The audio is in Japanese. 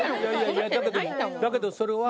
だけどそれは。